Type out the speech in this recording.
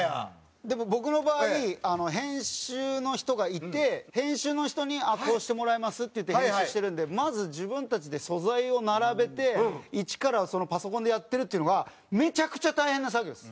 でも僕の場合編集の人がいて編集の人にこうしてもらえます？って言って編集してるんでまず自分たちで素材を並べて一からパソコンでやってるっていうのはめちゃくちゃ大変な作業です。